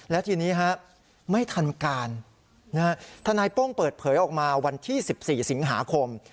และทีนี้ไม่ทันการทนายโป้งเปิดเผยออกมาวันที่๑๔สิงหาคม